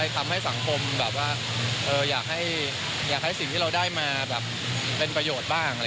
ทำให้สังคมแบบว่าอยากให้สิ่งที่เราได้มาแบบเป็นประโยชน์บ้าง